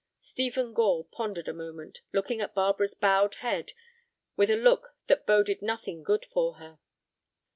Stephen Gore pondered a moment, looking at Barbara's bowed head with a look that boded nothing good for her.